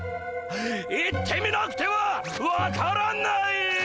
行ってみなくては分からない！